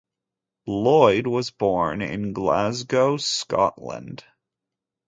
Lloyd was born in Glasgow, Scotland.